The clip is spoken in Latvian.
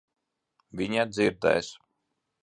Viņa dzirdēs.